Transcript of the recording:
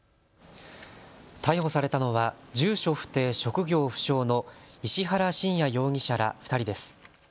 逮捕されたのは住所不定、職業不詳の石原信也容疑者ら２人です。